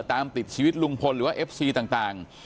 ตามติดชีวิตลุงพลหรือว่าเอฟซีต่าง